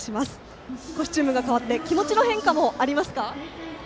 コスチュームが変わって気持ちの変化もありますか？